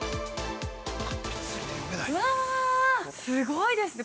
◆うわぁ、すごいですね。